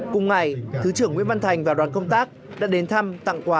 cùng ngày thứ trưởng nguyễn văn thành và đoàn công tác đã đến thăm tặng quà